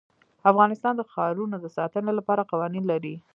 افغانستان د ښارونو د ساتنې لپاره قوانین لري.